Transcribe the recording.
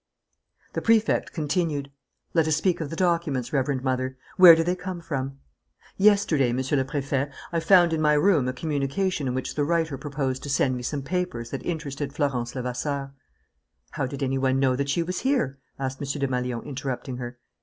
The Prefect continued: "Let us speak of the documents, Reverend Mother. Where do they come from?" "Yesterday, Monsieur le Préfet, I found in my room a communication in which the writer proposed to send me some papers that interested Florence Levasseur " "How did any one know that she was here?" asked M. Desmalions, interrupting her.